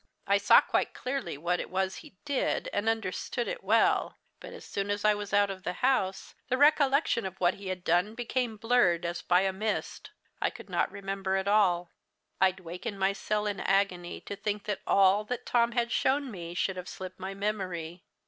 I saw quite clearly what it was he did, and understood it well, but, so soon as I was out of the house, the recollection of what he had done became blurred as by a mist. I could not remember at all. I'd wake in my cell in an agony to think that all that Tom had shown me should have slipped my memory.